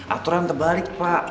aturan terbalik pak